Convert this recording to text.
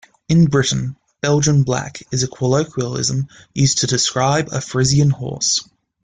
In Britain, "Belgian Black" is a colloquialism used to describe a Friesian horse.